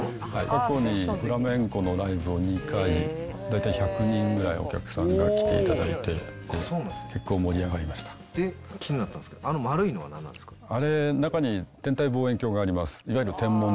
過去にフラメンコのライブを２回、大体１００人ぐらいお客さんが来ていただいて、結構盛り上がりま気になったんですけど、あれ、中に天体望遠鏡があります。